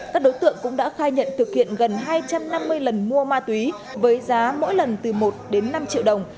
các đối tượng cũng đã khai nhận thực hiện gần hai trăm năm mươi lần mua ma túy với giá mỗi lần từ một đến năm triệu đồng